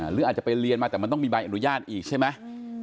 หรืออาจจะไปเรียนมาแต่มันต้องมีใบอนุญาตอีกใช่ไหม